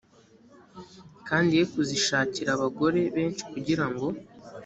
kandi ye kuzishakira abagore benshi kugira ngo